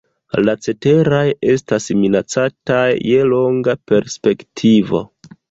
La ceteraj estas minacataj je longa perspektivo.